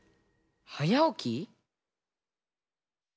はやおき？